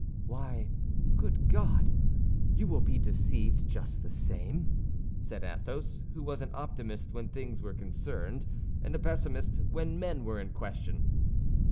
"Why, good God! you will be deceived just the same," said Athos, who was an optimist when things were concerned, and a pessimist when men were in question.